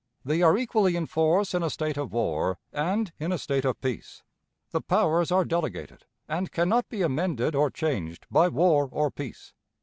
They are equally in force in a state of war and in a state of peace. The powers are delegated, and can not be amended or changed by war or peace.